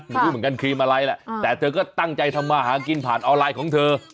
ไม่รู้เหมือนกันครีมอะไรแหละแต่เธอก็ตั้งใจทำมาหากินผ่านออนไลน์ของเธอ